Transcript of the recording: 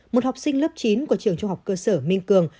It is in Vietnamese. một học sinh lớp chín của trường trung học cơ sở minh cường